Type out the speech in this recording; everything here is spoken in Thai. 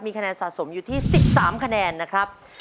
คะแนนสะสมอยู่ที่๑๓คะแนนนะครับ